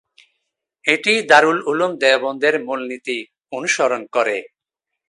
এটি দারুল উলূম দেওবন্দের মূলনীতি অনুসরণ করে।